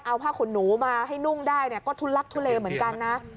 เอาผ้าขนหนูมาให้นุ่งได้ก็ทุลักทุเลเหมือนกันนะ